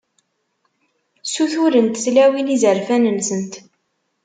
Ssuturent tlawin izerfan-nsent.